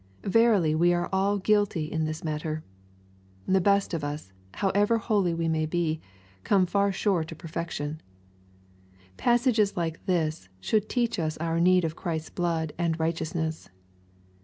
Verily we are all guilty in this matter ! \The best of us, however holy we may be, come far short of perfection. Passages like this, should teach us our need of Christ^s blood and righteousness.